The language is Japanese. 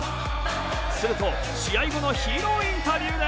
すると試合後のヒーローインタビューで。